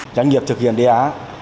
trang nghiệp thực hiện đề á